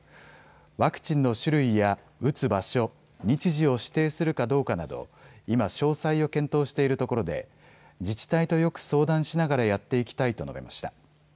ワクチンの種類や打つ場所、日時を指定するかどうかなど今、詳細を検討しているところで自治体とよく相談しながらやっていきたいと述べました。